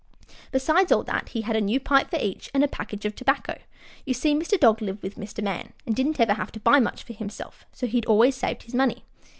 Besides all that, he had a new pipe for each, and a package of tobacco. You see, Mr. Dog lived with Mr. Man, and didn't ever have to buy much for himself, so he had always saved his money.